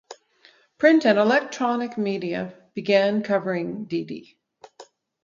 Print and electronic media began covering Didi.